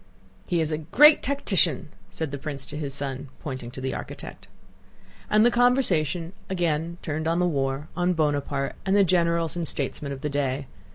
"He is a great tactician!" said the prince to his son, pointing to the architect. And the conversation again turned on the war, on Bonaparte, and the generals and statesmen of the day.